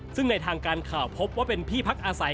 ซึ่งในทางการข่าวพบว่าเป็นที่พักอาศัย